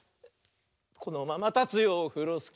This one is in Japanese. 「このままたつよオフロスキー」